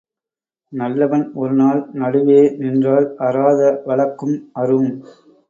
நல்லவன் ஒரு நாள் நடுவே நின்றால் அறாத வழக்கும் அறும்.